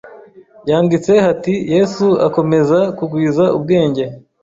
handitse hati Yesu akomeza kugwiza ubwenge,